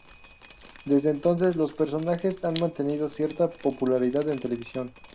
Desde entonces, los personajes han mantenido cierta popularidad en televisión.